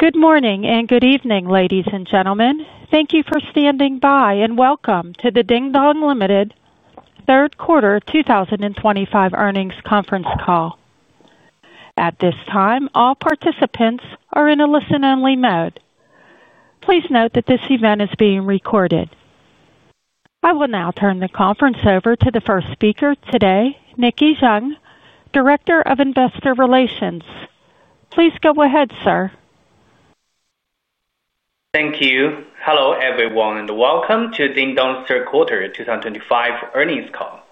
Good morning and good evening, ladies and gentlemen. Thank you for standing by and welcome to the Dingdong Limited third quarter 2025 earnings conference call. At this time, all participants are in a listen-only mode. Please note that this event is being recorded. I will now turn the conference over to the first speaker today, Nicky Zheng, Director of Investor Relations. Please go ahead, sir. Thank you. Hello, everyone, and welcome to Dingdong's third quarter 2025 earnings call.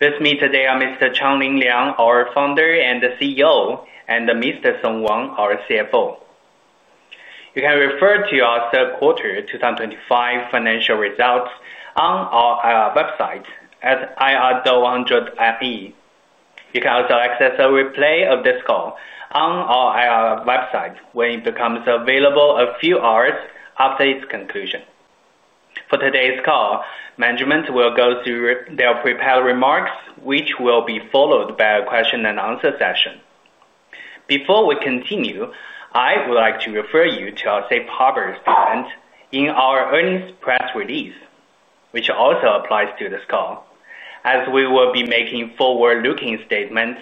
With me today are Mr. Changlin Liang, our Founder and CEO, and Mr. Song Wang, our CFO. You can refer to our third quarter 2025 financial results on our website at iido100.me. You can also access a replay of this call on our website when it becomes available a few hours after its conclusion. For today's call, management will go through their prepared remarks, which will be followed by a question-and-answer session. Before we continue, I would like to refer you to our safe harbor statement in our earnings press release, which also applies to this call, as we will be making forward-looking statements.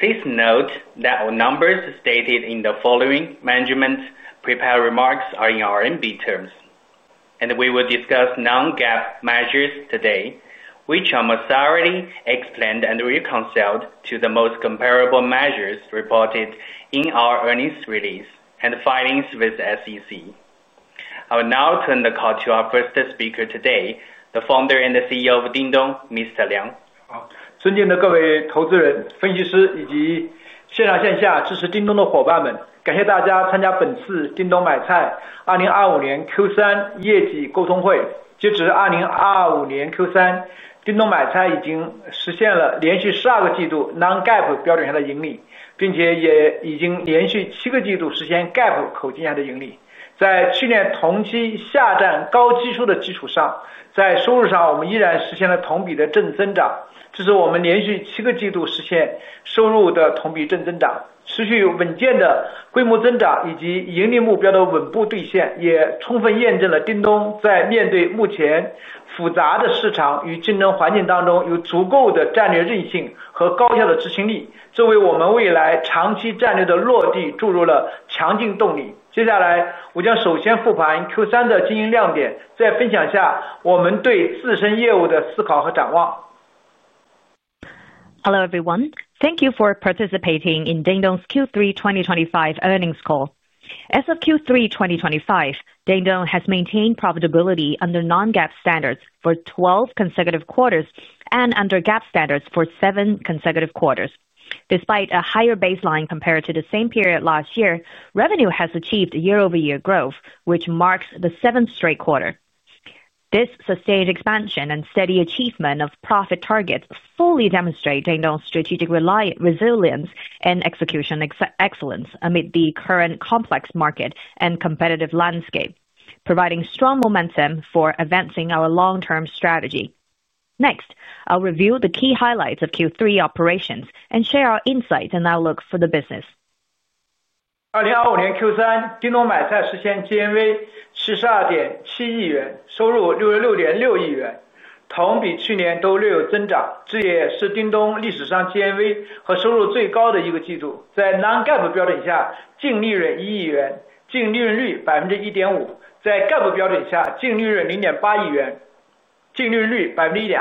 Please note that all numbers stated in the following management prepared remarks are in RMB terms. We will discuss non-GAAP measures today, which are more thoroughly explained and reconciled to the most comparable measures reported in our earnings release and filings with the SEC. I will now turn the call to our first speaker today, the Founder and the CEO of Dingdong, Mr. Liang. 尊敬的各位投资人、分析师以及线上线下支持 Dingdong 的伙伴们，感谢大家参加本次 Dingdong 买菜 2025年 Q3 业绩沟通会。截止 2025年 Q3，Dingdong 买菜已经实现了连续 12 个季度 non-GAAP 标准下的盈利，并且也已经连续 7 个季度实现 GAAP 口径下的盈利。在去年同期下降高基数的基础上，在收入上我们依然实现了同比的正增长。这是我们连续 7 个季度实现收入的同比正增长，持续稳健的规模增长以及盈利目标的稳步兑现，也充分验证了 Dingdong 在面对目前复杂的市场与竞争环境当中有足够的战略韧性和高效的执行力，这为我们未来长期战略的落地注入了强劲动力。接下来，我将首先复盘 Q3 的经营亮点，再分享一下我们对自身业务的思考和展望。Hello everyone, thank you for participating in Dingdong's Q3 2025 earnings call. As of Q3 2025, Dingdong has maintained profitability under non-GAAP standards for 12 consecutive quarters and under GAAP standards for 7 consecutive quarters. Despite a higher baseline compared to the same period last year, revenue has achieved year-over-year growth, which marks the seventh straight quarter. This sustained expansion and steady achievement of profit targets fully demonstrate Dingdong's strategic resilience and execution excellence amid the current complex market and competitive landscape, providing strong momentum for advancing our long-term strategy. Next, I'll review the key highlights of Q3 operations and share our insights and outlook for the business. a net profit margin of 1.2%. Building on the rapid business growth in 2024 Q3, we have continued to maintain the momentum of scale growth and sustained profitability. In Q3 2025,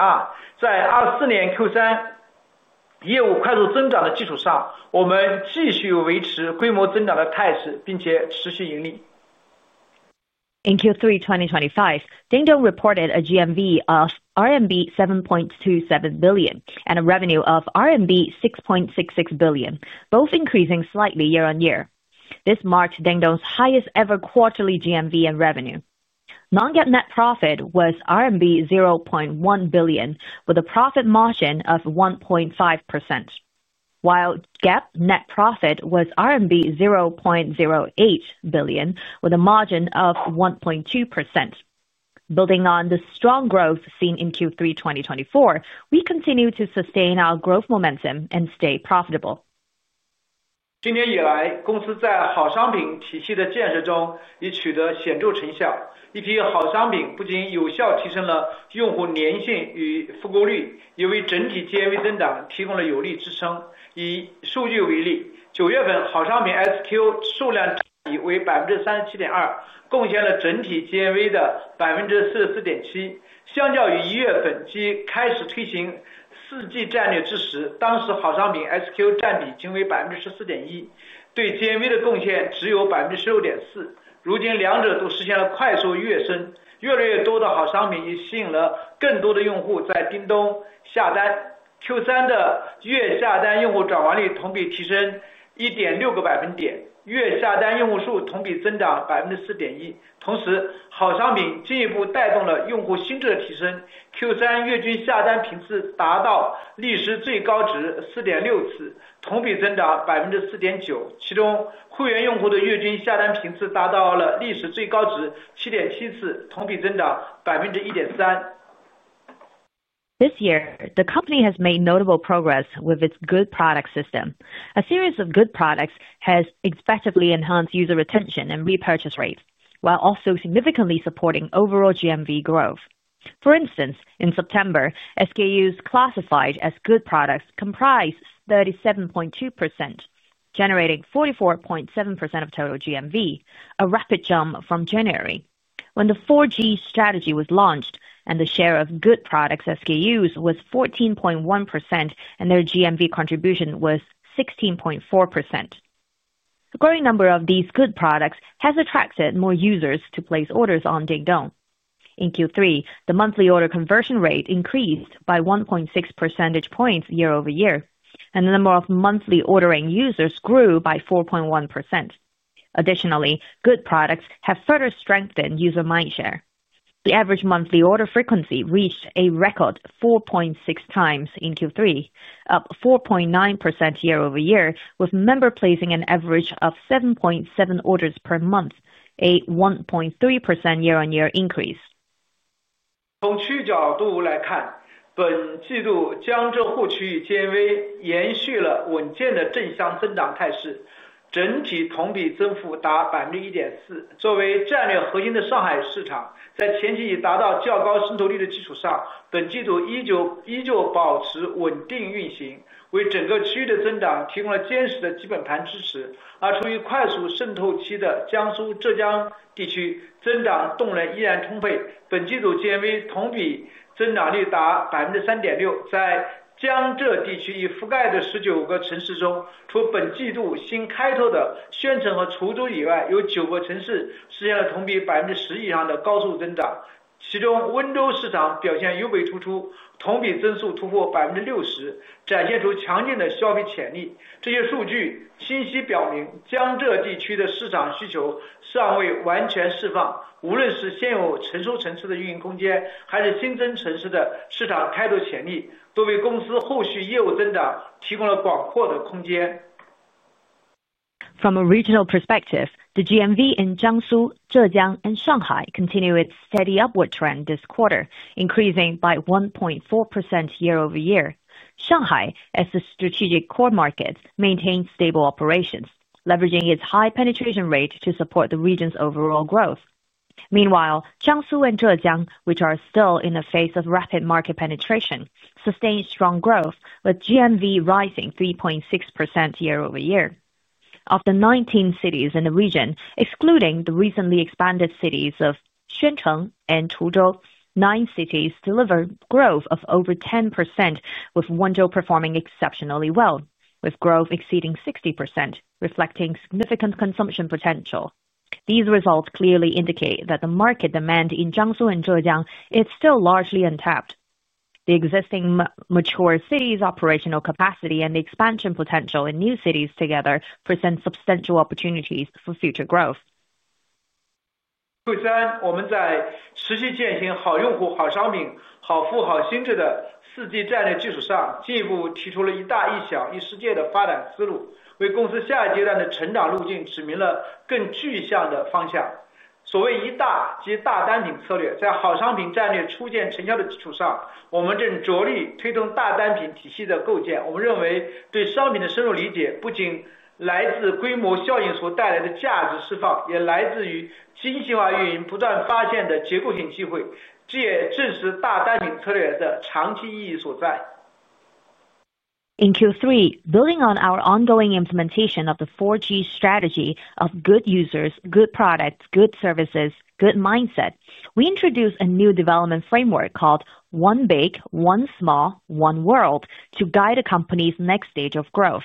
Dingdong reported a GMV of RMB 7.27 billion and a revenue of RMB 6.66 billion, both increasing slightly year-on-year. This marked Dingdong's highest-ever quarterly GMV and revenue. Non-GAAP net profit was RMB 0.1 billion, with a profit margin of 1.5%, while GAAP net profit was RMB 0.08 billion, with a margin of 1.2%. Building on the strong growth seen in Q3 2024, we continue to sustain our growth momentum and stay profitable. 今年以来，公司在好商品体系的建设中已取得显著成效。一批好商品不仅有效提升了用户粘性与复购率，也为整体 GMV 增长提供了有力支撑。以数据为例，9 月份好商品 SKU 数量占比为 37.2%，贡献了整体 GMV 的 44.7%。相较于 1 月份即开始推行 4G 战略之时，当时好商品 SKU 占比仅为 14.1%，对 GMV 的贡献只有 16.4%。如今两者都实现了快速跃升，越来越多的好商品也吸引了更多的用户在 Dingdong 下单。Q3 的月下单用户转化率同比提升 1.6 个百分点，月下单用户数同比增长 4.1%。同时，好商品进一步带动了用户心智的提升，Q3 月均下单频次达到历史最高值 4.6 次，同比增长 4.9%。其中，会员用户的月均下单频次达到了历史最高值 7.7 次，同比增长 1.3%。This year, the company has made notable progress with its good product system. A series of good products has effectively enhanced user retention and repurchase rates, while also significantly supporting overall GMV growth. For instance, in September, SKUs classified as good products comprised 37.2%, generating 44.7% of total GMV, a rapid jump from January. When the 4G strategy was launched, the share of good products SKUs was 14.1%, and their GMV contribution was 16.4%. The growing number of these good products has attracted more users to place orders on Dingdong. In Q3, the monthly order conversion rate increased by 1.6 percentage points year-over-year, and the number of monthly ordering users grew by 4.1%. Additionally, good products have further strengthened user mindshare. The average monthly order frequency reached a record 4.6 times in Q3, up 4.9% year-over-year, with member placing an average of 7.7 orders per month, a 1.3% year-on-year increase. 从趋势角度来看，本季度江浙沪区域 GMV 延续了稳健的正向增长态势，整体同比增幅达 3.6%。在江浙地区已覆盖的 19 个城市中，除本季度新开拓的宣城和滁州以外，有 9 个城市实现了同比 10% 以上的高速增长。其中，温州市场表现尤为突出，同比增速突破 60%，展现出强劲的消费潜力。这些数据清晰表明，江浙地区的市场需求尚未完全释放，无论是现有成熟城市的运营空间，还是新增城市的市场开拓潜力，都为公司后续业务增长提供了广阔的空间。From a regional perspective, the GMV in Jiangsu, Zhejiang, and Shanghai continued its steady upward trend this quarter, increasing by 1.4% year-over-year. Shanghai, as the strategic core market, maintained stable operations, leveraging its high penetration rate to support the region's overall growth. Meanwhile, Jiangsu and Zhejiang, which are still in the phase of rapid market penetration, sustained strong growth, with GMV rising 3.6% year-over-year. Of the 19 cities in the region, excluding the recently expanded cities of Xuancheng and Chuzhou, nine cities delivered growth of over 10%, with Wenzhou performing exceptionally well, with growth exceeding 60%, reflecting significant consumption potential. These results clearly indicate that the market demand in Jiangsu and Zhejiang is still largely untapped. The existing mature cities' operational capacity and the expansion potential in new cities together present substantial opportunities for future growth. 我们在持续践行好用户、好商品、好服务、好心智的 4G In Q3, building on our ongoing implementation of the 4G strategy of good users, good products, good services, good mindset, we introduced a new development framework called One Big One Small One World to guide a company's next stage of growth.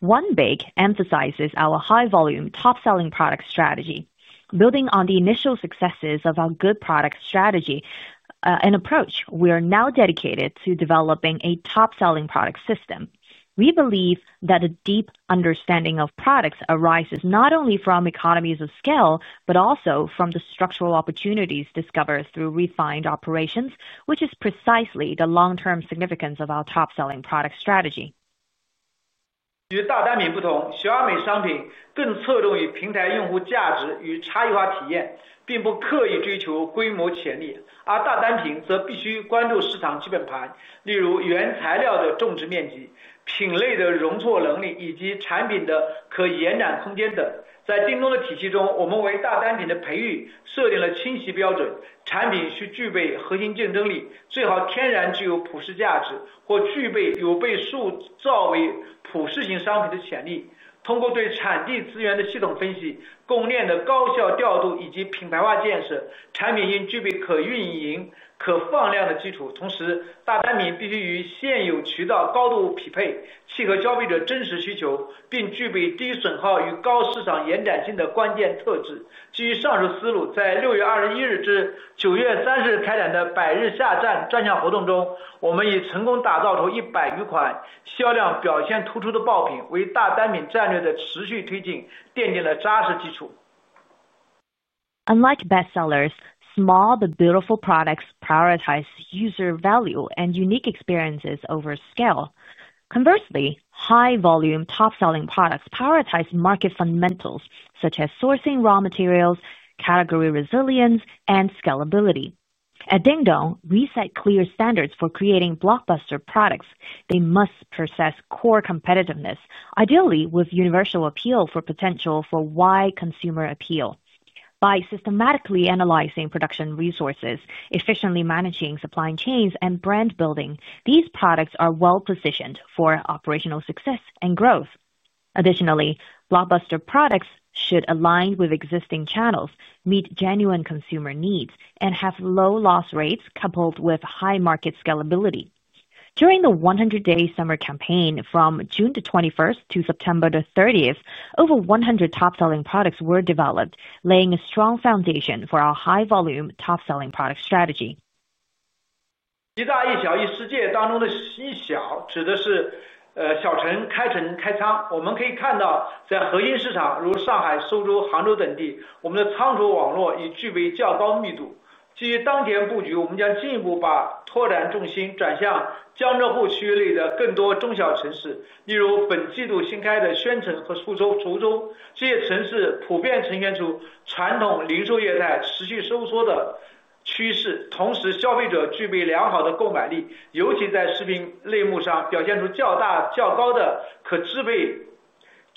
One Big emphasizes our high-volume, top-selling product strategy. Building on the initial successes of our good product strategy and approach, we are now dedicated to developing a top-selling product system. We believe that a deep understanding of products arises not only from economies of scale, but also from the structural opportunities discovered through refined operations, which is precisely the long-term significance of our top-selling product strategy. outstanding sales performance, laying a solid foundation for the continued advancement of the top-selling product strategy. Unlike bestsellers, small but beautiful products prioritize user value and unique experiences over scale. Conversely, high-volume, top-selling products prioritize market fundamentals such as sourcing raw materials, category resilience, and scalability. At Dingdong, we set clear standards for creating blockbuster products. They must possess core competitiveness, ideally with universal appeal for potential for wide consumer appeal. By systematically analyzing production resources, efficiently managing supply chains, and brand building, these products are well-positioned for operational success and growth. Additionally, blockbuster products should align with existing channels, meet genuine consumer needs, and have low loss rates coupled with high market scalability. During the 100-day summer campaign, from June 21 to September 30, over 100 top-selling products were developed, laying a strong foundation for our high-volume, top-selling product strategy.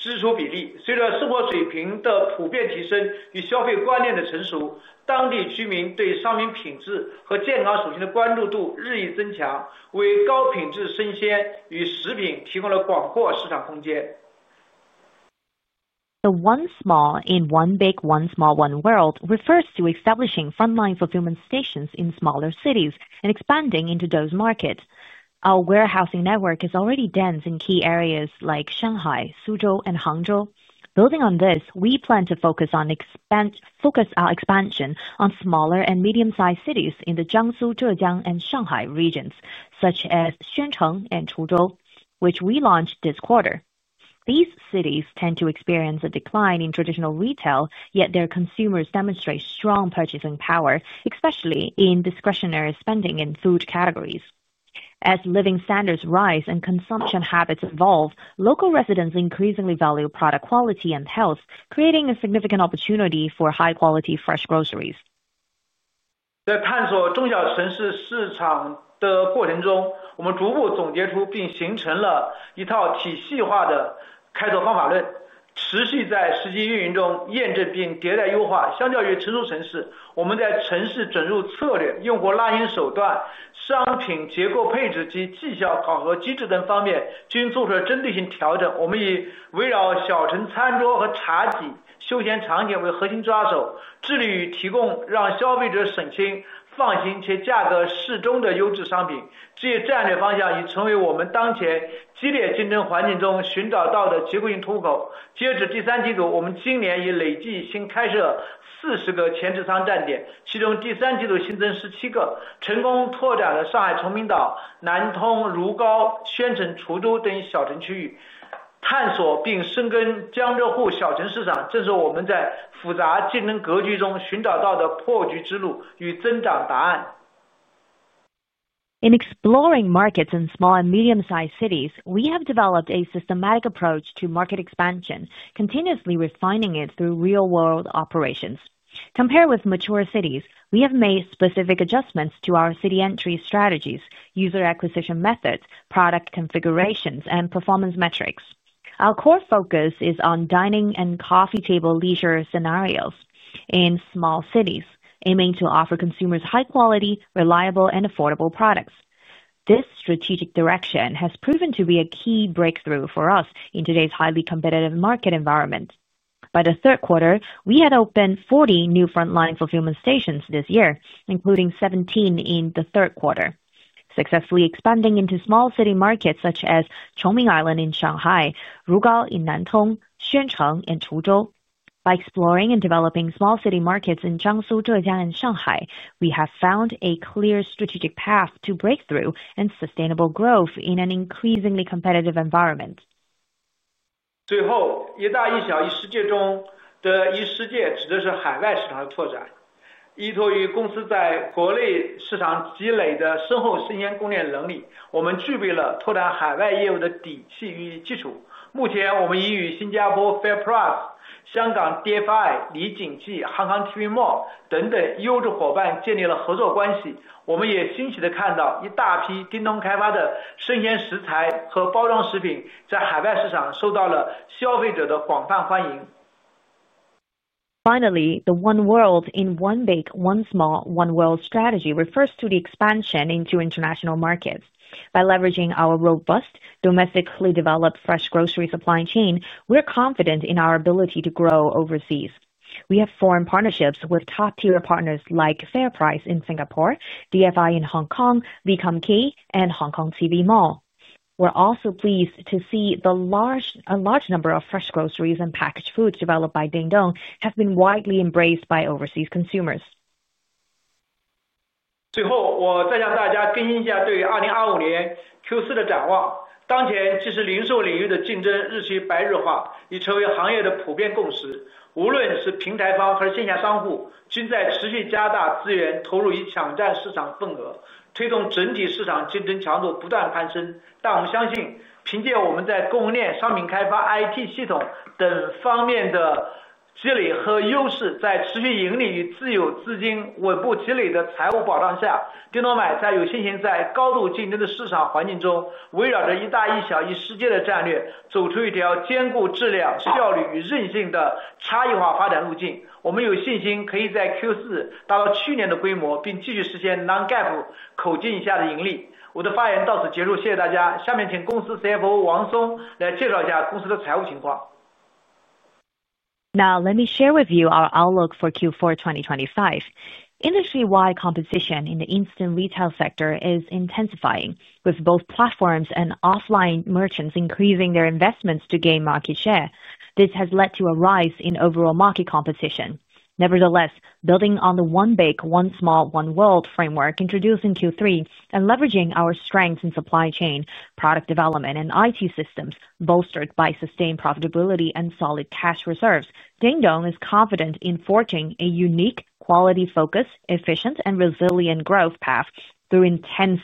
The One Small in One Big, One Small, One World refers to establishing frontline fulfillment stations in smaller cities and expanding into those markets. Our warehousing network is already dense in key areas like Shanghai, Suzhou, and Hangzhou. Building on this, we plan to focus our expansion on smaller and medium-sized cities in the Jiangsu, Zhejiang, and Shanghai regions, such as Xuancheng and Chuzhou, which we launched this quarter. These cities tend to experience a decline in traditional retail, yet their consumers demonstrate strong purchasing power, especially in discretionary spending in food categories. As living standards rise and consumption habits evolve, local residents increasingly value product quality and health, creating a significant opportunity for high-quality fresh groceries. 40 个全职商站点，其中第三季度新增 17 个，成功拓展了上海崇明岛、南通、如高、宣城、滁州等小城区域。探索并深耕江浙沪小城市场，正是我们在复杂竞争格局中寻找到的破局之路与增长答案。In exploring markets in small and medium-sized cities, we have developed a systematic approach to market expansion, continuously refining it through real-world operations. Compared with mature cities, we have made specific adjustments to our city entry strategies, user acquisition methods, product configurations, and performance metrics. Our core focus is on dining and coffee table leisure scenarios in small cities, aiming to offer consumers high-quality, reliable, and affordable products. This strategic direction has proven to be a key breakthrough for us in today's highly competitive market environment. By the third quarter, we had opened 40 new frontline fulfillment stations this year, including 17 in the third quarter, successfully expanding into small city markets such as Chongming Island in Shanghai, Ruigao in Nantong, Xuancheng in Chuzhou. By exploring and developing small city markets in Jiangsu, Zhejiang, and Shanghai, we have found a clear strategic path to breakthrough and sustainable growth in an increasingly competitive environment. DFI Retail Group、李锦记、Hong Kong TV Mall 等等优质伙伴建立了合作关系。我们也惊喜地看到一大批 Dingdong 开发的生鲜食材和包装食品在海外市场受到了消费者的广泛欢迎。Finally, the One World in One Big One Small One World strategy refers to the expansion into international markets. By leveraging our robust, domestically developed fresh grocery supply chain, we're confident in our ability to grow overseas. We have foreign partnerships with top-tier partners like FairPrice in Singapore, DFI Retail Group in Hong Kong, Lee Kum Kee, and Hong Kong TV Mall. We're also pleased to see the large number of fresh groceries and packaged foods developed by Dingdong have been widely embraced by overseas consumers. 最后，我再向大家更新一下对于 2025年 Q4 的展望。当前，即使零售领域的竞争日趋白热化，也成为行业的普遍共识。无论是平台方还是线下商户，均在持续加大资源投入以抢占市场份额，推动整体市场竞争强度不断攀升。但我们相信，凭借我们在供应链、商品开发、IT 系统等方面的积累和优势，在持续盈利与自有资金稳步积累的财务保障下，Dingdong 买菜有信心在高度竞争的市场环境中，围绕着一大一小一世界的战略，走出一条兼顾质量、效率与韧性的差异化发展路径。我们有信心可以在 Q4 达到去年的规模，并继续实现 non-GAAP 口径以下的盈利。我的发言到此结束，谢谢大家。下面请公司 CFO 王松来介绍一下公司的财务情况。Now, let me share with you our outlook for Q4 2025. Industry-wide competition in the instant retail sector is intensifying, with both platforms and offline merchants increasing their investments to gain market share. This has led to a rise in overall market competition. Nevertheless, building on the One Big One Small One World framework introduced in Q3 and leveraging our strengths in supply chain, product development, and IT systems bolstered by sustained profitability and solid cash reserves, Dingdong is confident in forging a unique, quality-focused, efficient, and resilient growth path through intense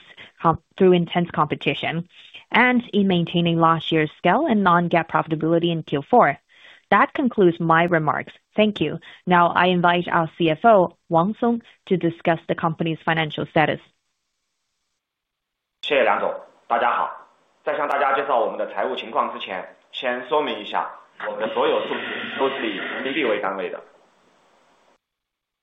competition and in maintaining last year's scale and non-GAAP profitability in Q4. That concludes my remarks. Thank you. Now, I invite our CFO, Song Wang, to discuss the company's financial status. 谢谢梁总。大家好。在向大家介绍我们的财务情况之前，先说明一下我们的所有数据都是以人民币为单位的。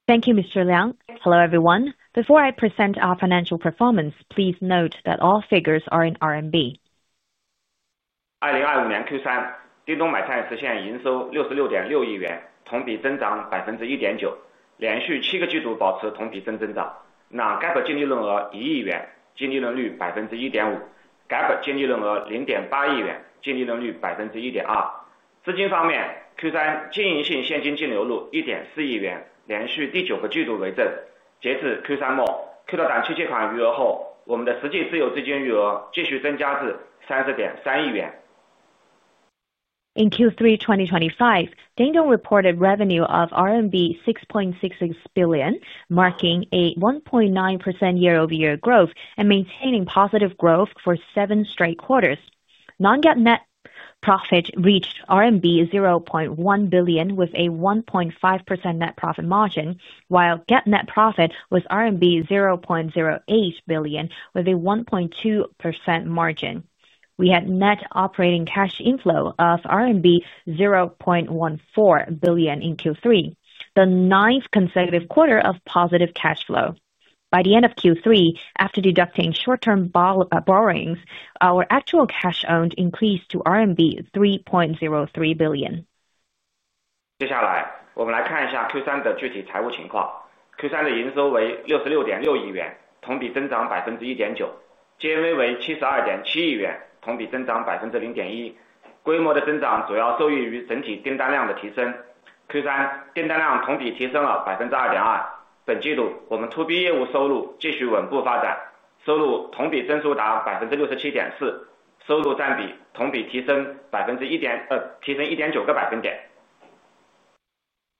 Thank you, Mr. Liang. Hello, everyone. Before I present our financial performance, please note that all figures are in RMB. consecutive quarter of positive inflow. As of the end of Q3, after accounting for scheduled loan repayments, our actual self-owned cash balance continued to increase to RMB 3.03 billion. In Q3 2025, Dingdong reported revenue of RMB 6.66 billion, marking a 1.9% year-over-year growth and maintaining positive growth for seven straight quarters. Non-GAAP net profit reached RMB 0.1 billion with a 1.5% net profit margin, while GAAP net profit was RMB 0.08 billion with a 1.2% margin. We had net operating cash inflow of RMB 0.14 billion in Q3, the ninth consecutive quarter of positive cash flow. By the end of Q3, after deducting short-term borrowings, our actual cash owed increased to RMB 3.03 billion. continued to develop steadily, with a year-over-year revenue growth rate of 67.4%. The revenue proportion increased by 1.9% year-over-year.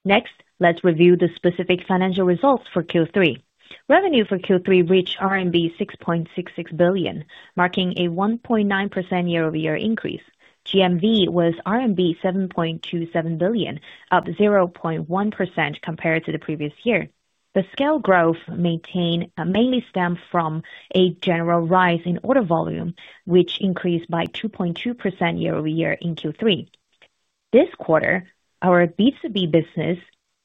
Next, let's review the specific financial results for Q3. Revenue for Q3 reached RMB 6.66 billion, marking a 1.9% year-over-year increase. GMV was RMB 7.27 billion, up 0.1% compared to the previous year. The scale growth mainly stemmed from a general rise in order volume, which increased by 2.2% year-over-year in Q3. This quarter, our B2B business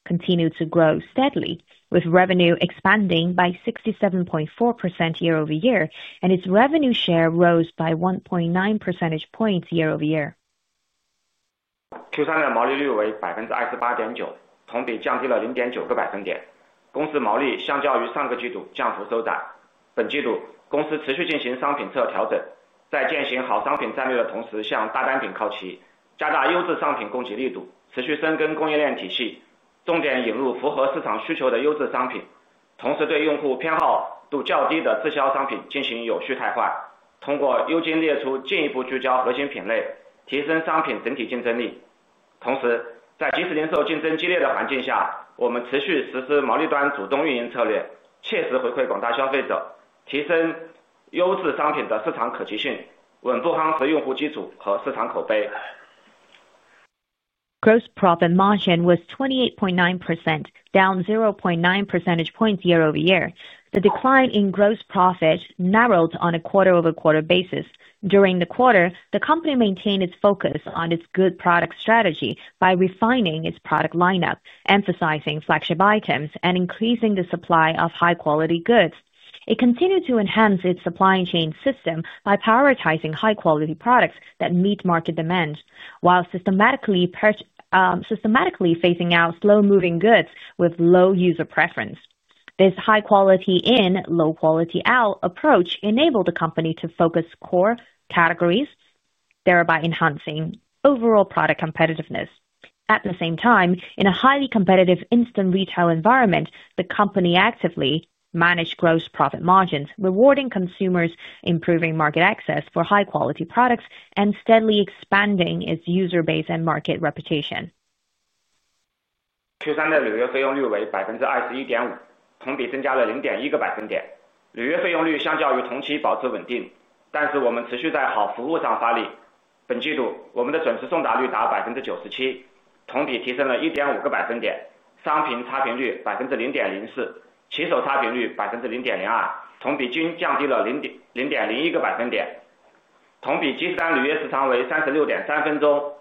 continued to grow steadily, with revenue expanding by 67.4% year-over-year, and its revenue share rose by 1.9 percentage points year-over-year. our user base and market reputation. Gross profit margin was 28.9%, down 0.9 percentage points year-over-year. The decline in gross profit narrowed on a quarter-over-quarter basis. During the quarter, the company maintained its focus on its good product strategy by refining its product lineup, emphasizing flagship items and increasing the supply of high-quality goods. It continued to enhance its supply chain system by prioritizing high-quality products that meet market demand, while systematically phasing out slow-moving goods with low user preference. This high-quality in, low-quality out approach enabled the company to focus core categories, thereby enhancing overall product competitiveness. At the same time, in a highly competitive instant retail environment, the company actively managed gross profit margins, rewarding consumers, improving market access for high-quality products, and steadily expanding its user base and market reputation. year. These data all represent our commitment to continuously optimizing service to create an exceptional user experience, win user trust, and create long-term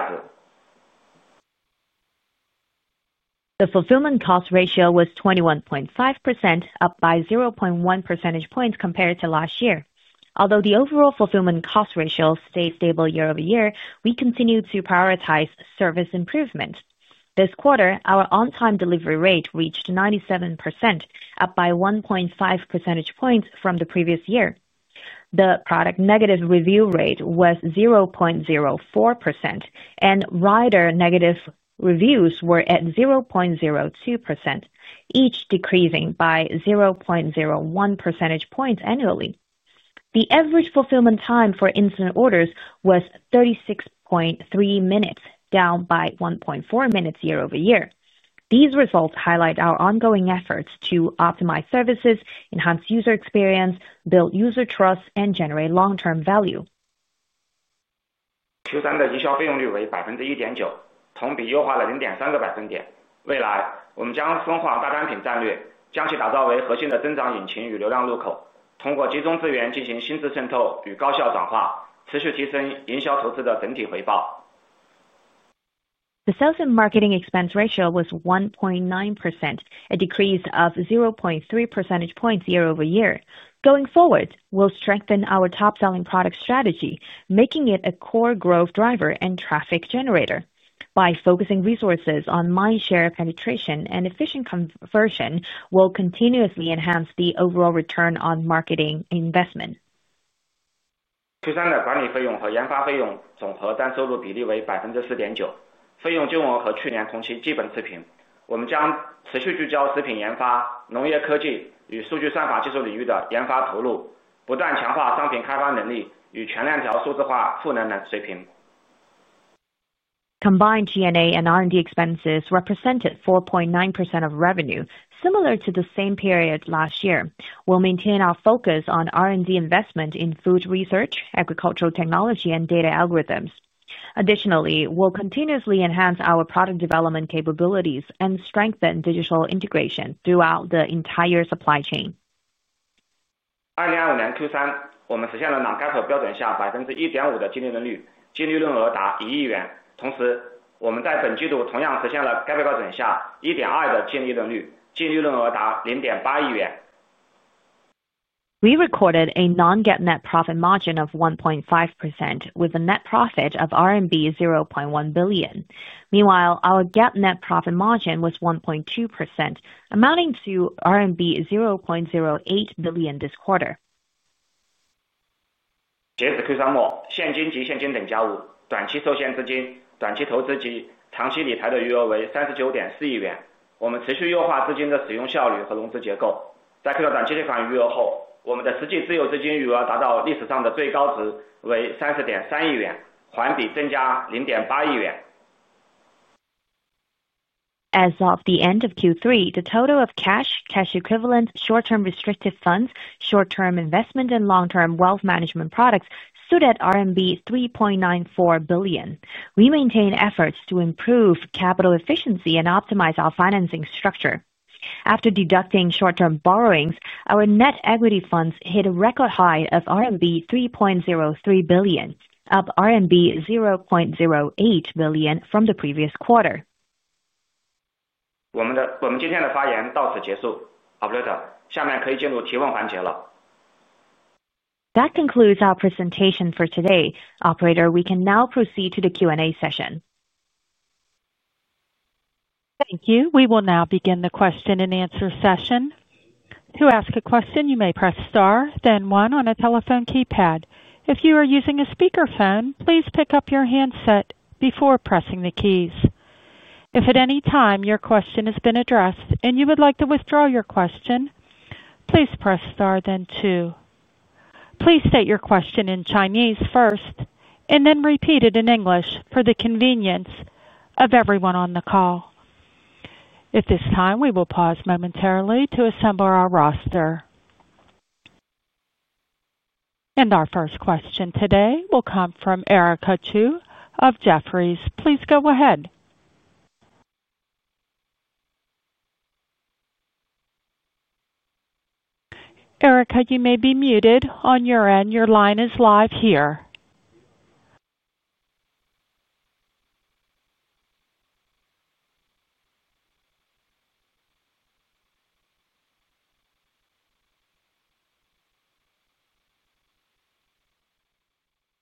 value. The fulfillment cost ratio was 21.5%, up by 0.1 percentage points compared to last year. Although the overall fulfillment cost ratio stayed stable year-over-year, we continued to prioritize service improvement. This quarter, our on-time delivery rate reached 97%, up by 1.5 percentage points from the previous year. The product negative review rate was 0.04%, and rider negative reviews were at 0.02%, each decreasing by 0.01 percentage points annually. The average fulfillment time for instant orders was 36.3 minutes, down by 1.4 minutes year-over-year. These results highlight our ongoing efforts to optimize services, enhance user experience, build user trust, and generate long-term value. Q3 的营销费用率为 1.9%，同比优化了 0.3 个百分点。未来，我们将分化大单品战略，将其打造为核心的增长引擎与流量路口，通过集中资源进行薪资渗透与高效转化，持续提升营销投资的整体回报。The sales and marketing expense ratio was 1.9%, a decrease of 0.3 percentage points year-over-year. Going forward, we'll strengthen our top-selling product strategy, making it a core growth driver and traffic generator. By focusing resources on mind share penetration and efficient conversion, we'll continuously enhance the overall return on marketing investment. across the entire chain. Combined G&A and R&D expenses represented 4.9% of revenue, similar to the same period last year. We'll maintain our focus on R&D investment in food research, agricultural technology, and data algorithms. Additionally, we'll continuously enhance our product development capabilities and strengthen digital integration throughout the entire supply chain. achieved a GAAP net profit margin of 1.2%, with net profit reaching RMB 80 million this quarter. We recorded a non-GAAP net profit margin of 1.5%, with a net profit of RMB 0.1 billion. Meanwhile, our GAAP net profit margin was 1.2%, amounting to RMB 0.08 billion this quarter. 3.03 billion, an increase of RMB 80 million quarter over quarter. As of the end of Q3, the total of cash, cash equivalent, short-term restrictive funds, short-term investment, and long-term wealth management products stood at RMB 3.94 billion. We maintain efforts to improve capital efficiency and optimize our financing structure. After deducting short-term borrowings, our net equity funds hit a record high of RMB 3.03 billion, up RMB 0.08 billion from the previous quarter. 我们今天的发言到此结束。Operator，下面可以进入提问环节了。That concludes our presentation for today. Operator, we can now proceed to the Q&A session. Thank you. We will now begin the question and answer session. To ask a question, you may press star, then one on a telephone keypad. If you are using a speakerphone, please pick up your handset before pressing the keys. If at any time your question has been addressed and you would like to withdraw your question, please press star, then two. Please state your question in Chinese first and then repeat it in English for the convenience of everyone on the call. At this time, we will pause momentarily to assemble our roster. Our first question today will come from Erica Chu of Jefferies. Please go ahead. Erica, you may be muted on your end. Your line is live here.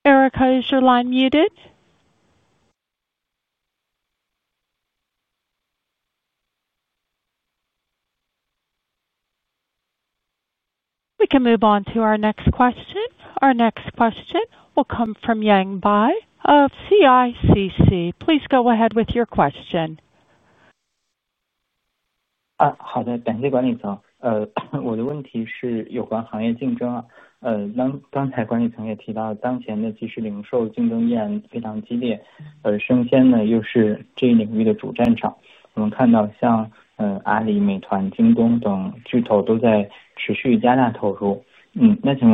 Erica, is your line muted? We can move on to our next question. Our next question will come from Yang Bai of China International Capital Corporation Limited. Please go ahead with your question. 好的，感谢管理层。我的问题是有关行业竞争。刚才管理层也提到，当前的即时零售竞争依然非常激烈，而生鲜又是这一领域的主战场。我们看到像阿里、美团、京东等巨头都在持续加大投入。请问公司如何看待当前的竞争格局？这种竞争给公司带来的挑战有哪些？当然，这里边是否也蕴含了一些新的机会？ Thank you, Management,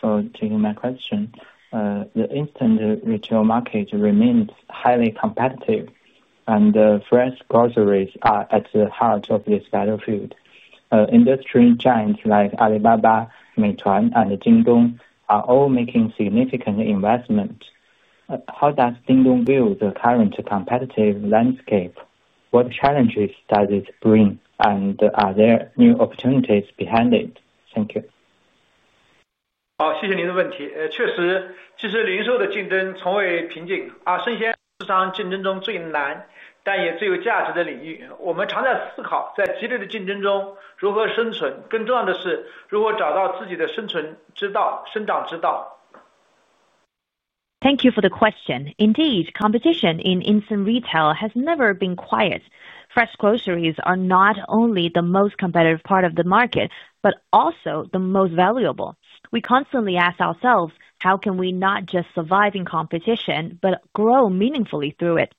for taking my question. The instant retail market remains highly competitive, and fresh groceries are at the heart of this battlefield. Industry giants like Alibaba, Meituan, and Jingdong are all making significant investments. How does Dingdong build a current competitive landscape? What challenges does it bring, and are there new opportunities behind it? Thank you. 好，谢谢您的问题。确实，即时零售的竞争从未平静。生鲜是市场竞争中最难但也最有价值的领域。我们常在思考，在激烈的竞争中如何生存，更重要的是如何找到自己的生存之道、生长之道。Thank you for the question. Indeed, competition in instant retail has never been quiet. Fresh groceries are not only the most competitive part of the market, but also the most valuable. We constantly ask ourselves, how can we not just survive in competition, but grow meaningfully through it?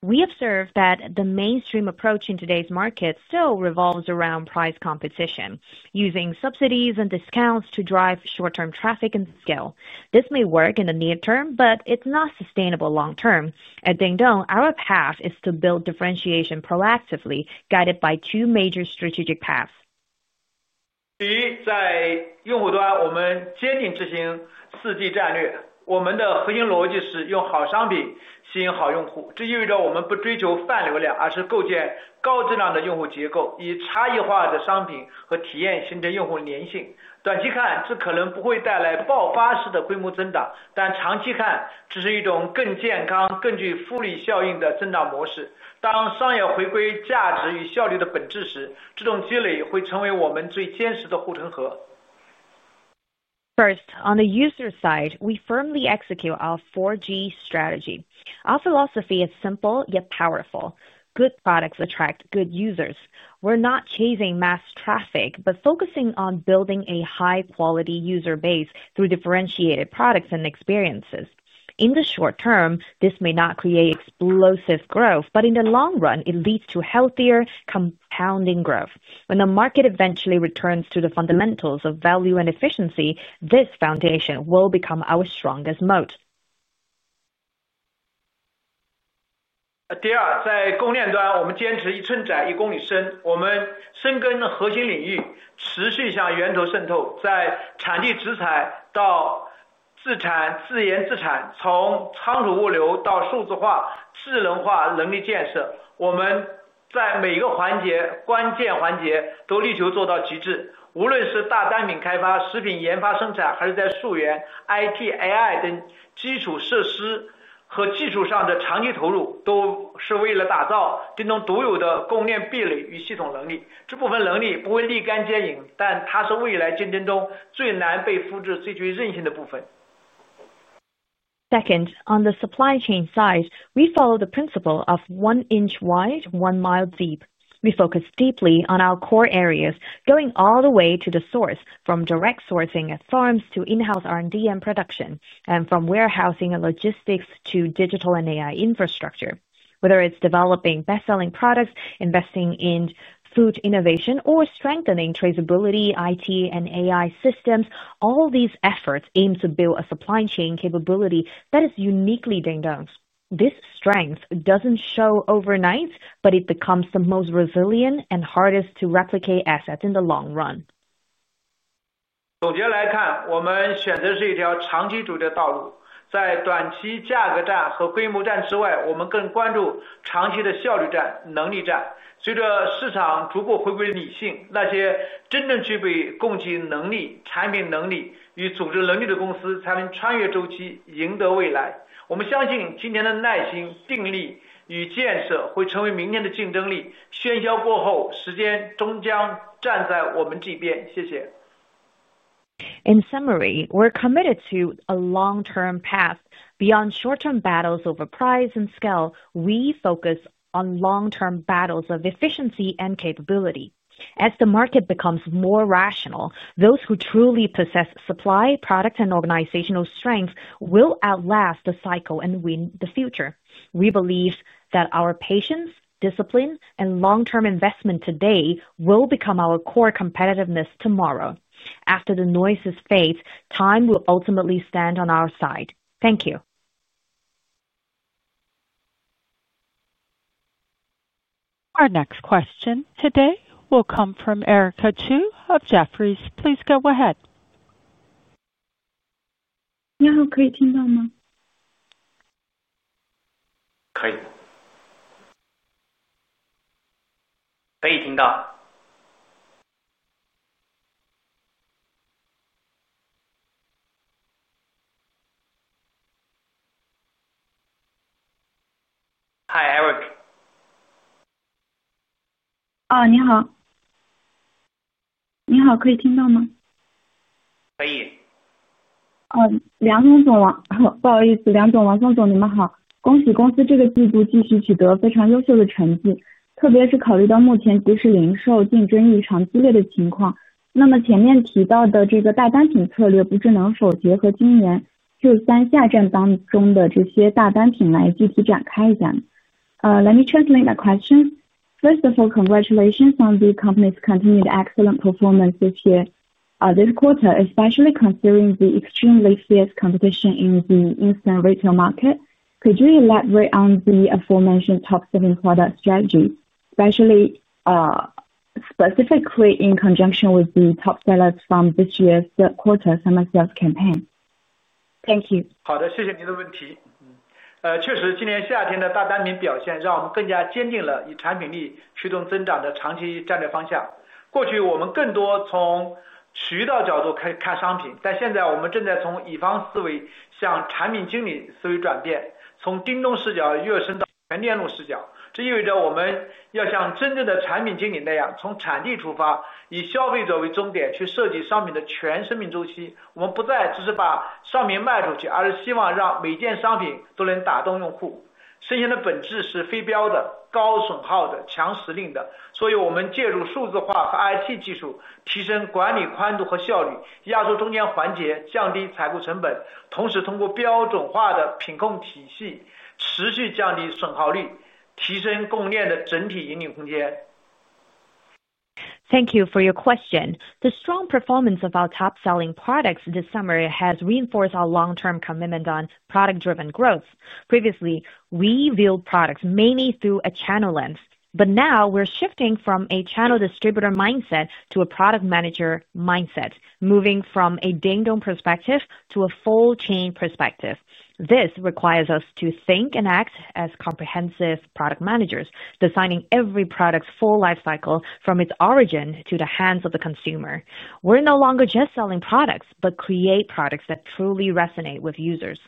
We observe that the mainstream approach in today's market still revolves around price competition, using subsidies and discounts to drive short-term traffic and scale. This may work in the near term, but it's not sustainable long-term. At JD.com, our path is to build differentiation proactively, guided by two major strategic paths. First, on the user side, we firmly execute our 4G strategy. Our philosophy is simple yet powerful. Good products attract good users. We're not chasing mass traffic, but focusing on building a high-quality user base through differentiated products and experiences. In the short term, this may not create explosive growth, but in the long run, it leads to healthier, compounding growth. When the market eventually returns to the fundamentals of value and efficiency, this foundation will become our strongest moat. 第二，在供应链端，我们坚持一寸窄一公里深。我们深耕核心领域，持续向源头渗透。在产地直采到自研自产，从仓储物流到数字化、智能化、能力建设，我们在每个环节、关键环节都力求做到极致。无论是大单品开发、食品研发生产，还是在溯源、IT、AI等基础设施和技术上的长期投入，都是为了打造Jingdong独有的供应链壁垒与系统能力。这部分能力不会立竿见影，但它是未来竞争中最难被复制、最具韧性的部分。Second, on the supply chain side, we follow the principle of one inch wide, one mile deep. We focus deeply on our core areas, going all the way to the source, from direct sourcing at farms to in-house R&D and production, and from warehousing and logistics to digital and AI infrastructure. Whether it's developing best-selling products, investing in food innovation, or strengthening traceability, IT, and AI systems, all these efforts aim to build a supply chain capability that is uniquely Dingdong's. This strength doesn't show overnight, but it becomes the most resilient and hardest to replicate assets in the long run. In summary, we're committed to a long-term path. Beyond short-term battles over price and scale, we focus on long-term battles of efficiency and capability. As the market becomes more rational, those who truly possess supply, product, and organizational strength will outlast the cycle and win the future. We believe that our patience, discipline, and long-term investment today will become our core competitiveness tomorrow. After the noise has faded, time will ultimately stand on our side. Thank you. Our next question today will come from Erica Chu of Jefferies. Please go ahead. 你好，可以听到吗？ 可以。可以听到。嗨，Eric。你好。你好，可以听到吗？ 可以。梁总，不好意思，梁总，王总，你们好。恭喜公司这个季度继续取得非常优秀的成绩，特别是考虑到目前即时零售竞争异常激烈的情况。那么前面提到的大单品策略，不知能否结合今年Q3夏季当中的这些大单品来具体展开一下。Let me translate that question. First of all, congratulations on the company's continued excellent performance this quarter, especially considering the extremely fierce competition in the instant retail market. Could you elaborate on the aforementioned top-selling product strategy, specifically in conjunction with the top sellers from this year's third quarter summer sales campaign? Thank you. Thank you for your question. The strong performance of our top-selling products this summer has reinforced our long-term commitment on product-driven growth. Previously, we built products mainly through a channel lens, but now we're shifting from a channel distributor mindset to a product manager mindset, moving from a Jingdong perspective to a full chain perspective. This requires us to think and act as comprehensive product managers, designing every product's full lifecycle from its origin to the hands of the consumer. We're no longer just selling products, but creating products that truly resonate with users.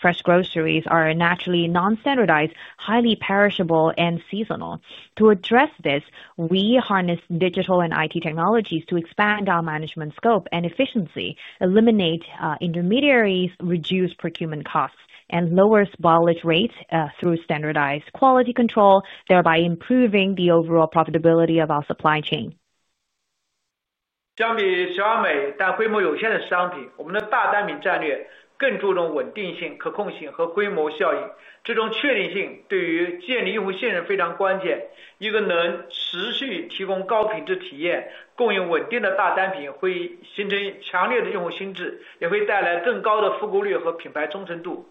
Fresh groceries are naturally non-standardized, highly perishable, and seasonal. To address this, we harness digital and IT technologies to expand our management scope and efficiency, eliminate intermediaries, reduce procurement costs, and lower spoilage rates through standardized quality control, thereby improving the overall profitability of our supply chain. 相比小美但规模有限的商品，我们的大单品战略更注重稳定性、可控性和规模效应。这种确定性对于建立用户信任非常关键。一个能持续提供高品质体验、供应稳定的大单品会形成强烈的用户心智，也会带来更高的复购率和品牌忠诚度。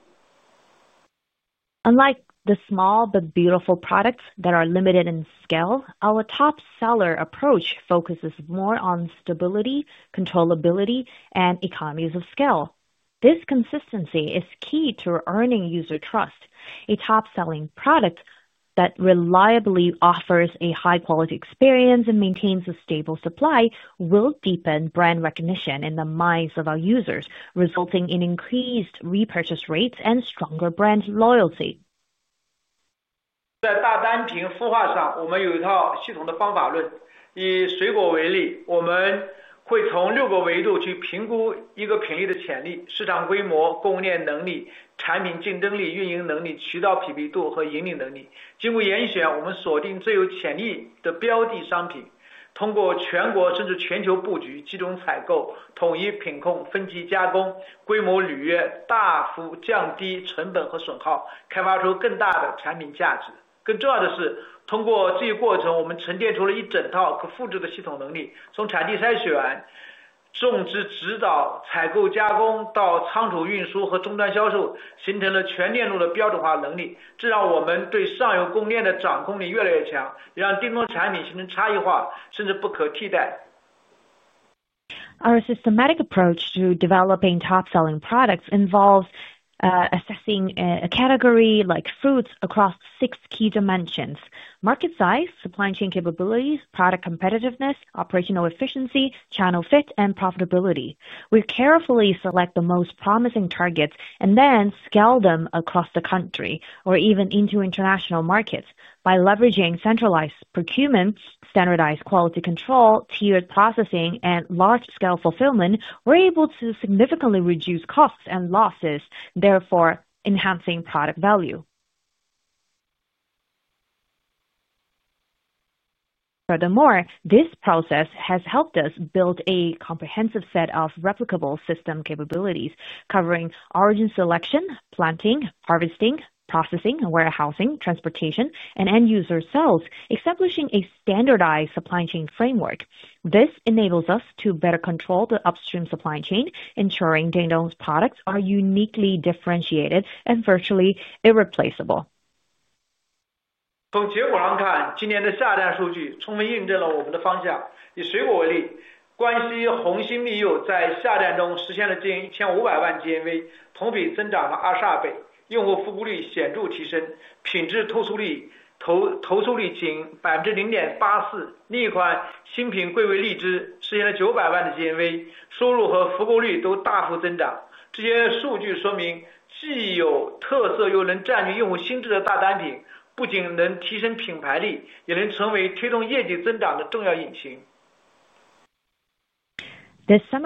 Unlike the small but beautiful products that are limited in scale, our top-seller approach focuses more on stability, controllability, and economies of scale. This consistency is key to earning user trust. A top-selling product that reliably offers a high-quality experience and maintains a stable supply will deepen brand recognition in the minds of our users, resulting in increased repurchase rates and stronger brand loyalty. Our systematic approach to developing top-selling products involves assessing a category like fruits across six key dimensions: market size, supply chain capabilities, product competitiveness, operational efficiency, channel fit, and profitability. We carefully select the most promising targets and then scale them across the country or even into international markets. By leveraging centralized procurement, standardized quality control, tiered processing, and large-scale fulfillment, we're able to significantly reduce costs and losses, therefore enhancing product value. Furthermore, this process has helped us build a comprehensive set of replicable system capabilities, covering origin selection, planting, harvesting, processing, warehousing, transportation, and end-user sales, establishing a standardized supply chain framework. This enables us to better control the upstream supply chain, ensuring Dingdong's products are uniquely differentiated and virtually irreplaceable. 从结果上看，今年的下降数据充分印证了我们的方向。以水果为例，关西红心蜜柚在下降中实现了近1500万GMV，同比增长了22倍，用户复购率显著提升，品质投诉率仅0.84%。另一款新品贵为荔枝，实现了900万的GMV，收入和复购率都大幅增长。这些数据说明，既有特色又能占据用户心智的大单品，不仅能提升品牌力，也能成为推动业绩增长的重要引擎。This summer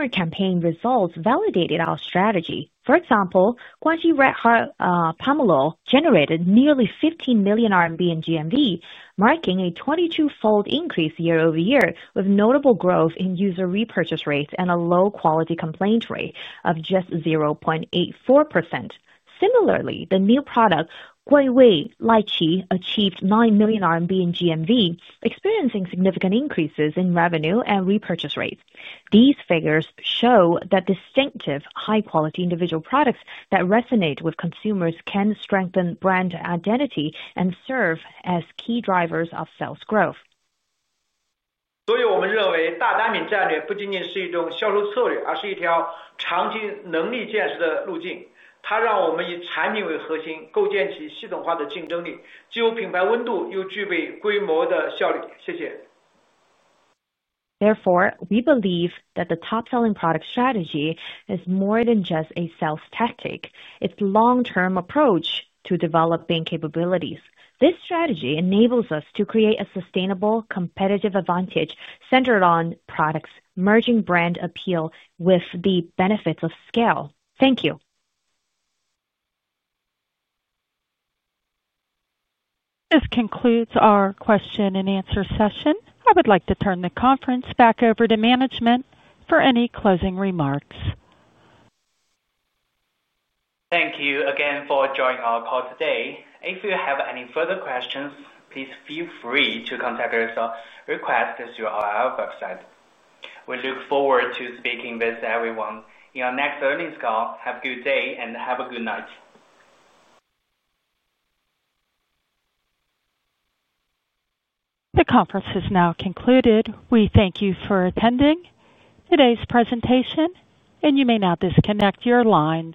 campaign results validated our strategy. For example, Guangxi Red Heart Honey Pomelo generated nearly 15 million RMB in GMV, marking a 22-fold increase year over year, with notable growth in user repurchase rates and a low-quality complaint rate of just 0.84%. Similarly, the new product Guangwei Litchi achieved 9 million RMB in GMV, experiencing significant increases in revenue and repurchase rates. These figures show that distinctive high-quality individual products that resonate with consumers can strengthen brand identity and serve as key drivers of sales growth. 所以我们认为大单品战略不仅仅是一种销售策略，而是一条长期能力建设的路径。它让我们以产品为核心，构建起系统化的竞争力，既有品牌温度，又具备规模的效率。谢谢。Therefore, we believe that the top-selling product strategy is more than just a sales tactic. It is a long-term approach to developing capabilities. This strategy enables us to create a sustainable competitive advantage centered on products, merging brand appeal with the benefits of scale. Thank you. This concludes our question and answer session. I would like to turn the conference back over to management for any closing remarks. Thank you again for joining our call today. If you have any further questions, please feel free to contact us or request through our website. We look forward to speaking with everyone in our next learning call. Have a good day and have a good night. The conference has now concluded. We thank you for attending today's presentation, and you may now disconnect your line.